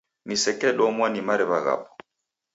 Nisekedomwa ni mariw'a ghapo